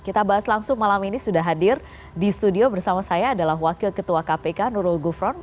kita bahas langsung malam ini sudah hadir di studio bersama saya adalah wakil ketua kpk nurul gufron